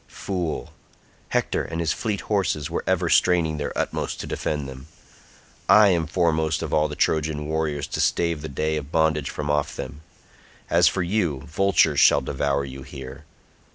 Fool; Hector and his fleet horses were ever straining their utmost to defend them. I am foremost of all the Trojan warriors to stave the day of bondage from off them; as for you, vultures shall devour you here.